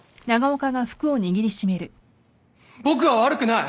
僕は悪くない！